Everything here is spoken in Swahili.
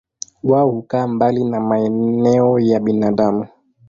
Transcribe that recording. Wao hukaa mbali na maeneo ya binadamu.